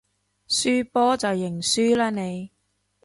輸波就認輸啦你